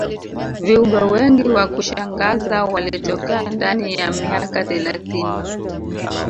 viumbe wengi wa kushangaza walitokea ndani ya miaka thelathini